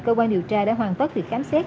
cơ quan điều tra đã hoàn tất việc khám xét